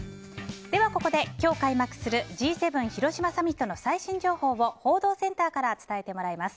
ではここで今日、開幕するＧ７広島サミットの最新情報を報道センターから伝えてもらいます。